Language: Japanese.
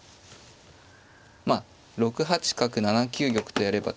まあ６八角７九玉とやれば。